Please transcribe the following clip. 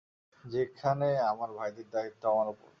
যেখানে আমার ভাইদের দায়িত্ব আমার উপরে।